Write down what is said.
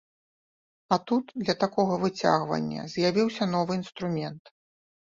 А тут для такога выцягвання з'явіўся новы інструмент!